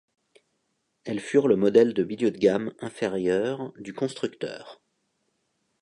Elles furent le modèle de milieu de gamme inférieur du constructeur.